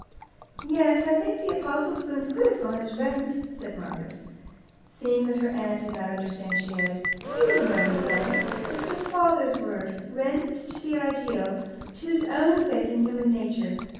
"Yes, I think the apostle spoons could have gone as rent," said Margaret. Seeing that her aunt did not understand, she added: "You remember 'rent.' It was one of father's words Rent to the ideal, to his own faith in human nature.